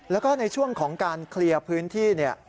แล้วก็ในช่วงของการเคลียร์พื้นที่เนี่ย